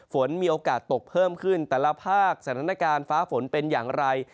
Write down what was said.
ฝนมีโอกาสตกเพิ่มขึ้นแต่ละภาคสถานการณ์ฟ้าฝนเป็นอย่างไร